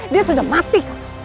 dia sudah mati